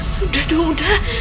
sudah dong udah